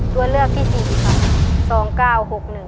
ตัวเลือกที่สี่ครับ๒๙๖๑